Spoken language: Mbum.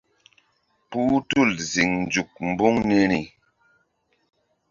Kpuh tul ziŋ nzuk mbuŋ niri.